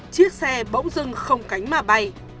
chiếc xe bỗng dưng không cánh mà bay